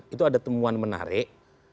itu ada temuan menarik